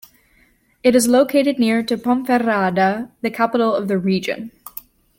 It is located near to Ponferrada, the capital of the "region".